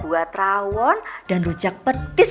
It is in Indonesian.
buat rawon dan rujak petis